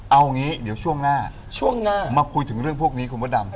เอางี้เดี๋ยวช่วงหน้าช่วงหน้ามาคุยถึงเรื่องพวกนี้คุณพระดำ